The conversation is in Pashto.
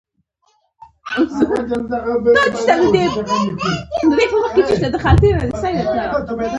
هغه لاس تړلی کس وپېژنده چې د معشوقې قاتل یې و